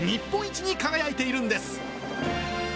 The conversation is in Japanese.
日本一に輝いているんです。